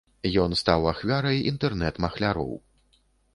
Ён стаў ахвярай інтэрнэт-махляроў.